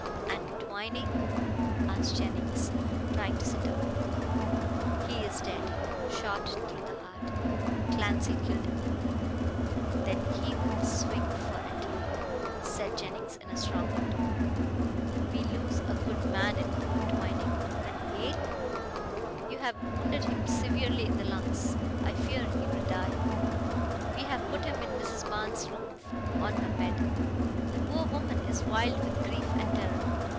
"And Twining?" asked Jennings, trying to sit up. "He is dead shot through the heart. Clancy killed him." "Then he'll swing for it," said Jennings in a stronger tone, "we lose a good man in poor Twining. And Hale?" "You have wounded him severely in the lungs. I fear he will die. We have put him in Mrs. Barnes' room on her bed. The poor woman is wild with grief and terror.